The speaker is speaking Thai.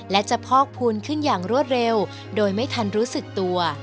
และจะพอกพูนขึ้นอย่างรวดเร็วโดยไม่ทันรู้สึกตัว